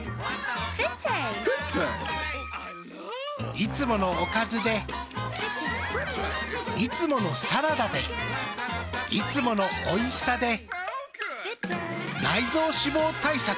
いつものおかずでいつものサラダでいつものおいしさで内臓脂肪対策。